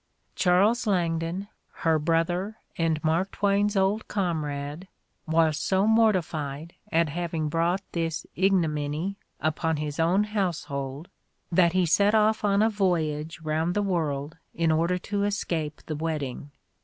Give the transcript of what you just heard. Charles Langdon, her brother and Mark Twain's old comrade, was so mortified at having brought this ignominy upon his own household, that he set off on a voyage round the world in order to escape the wedding.